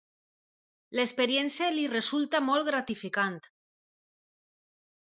L'experiència li resulta molt gratificant.